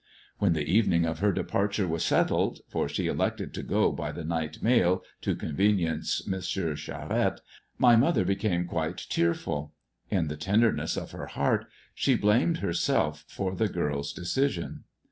When the evening of her departure was settled — ^for sb» elected to go by the night maU to convenience M. Charette — my mother became quite tearful. In the tenderness of her heart she blamed herself for the girl's decision.